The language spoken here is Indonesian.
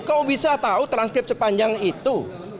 kau bisa tahu transkrip sepanjang itu